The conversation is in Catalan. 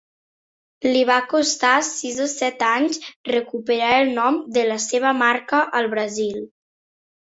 Li va costar sis o set anys recuperar el nom de la seva marca al Brasil.